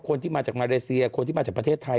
คนที่มาจากมาเลเซียคนที่มาจากประเทศไทย